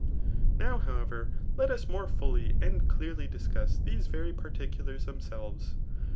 Kov, howeya*, let us mone felly and dearly djscuss these very paorticulars themselves.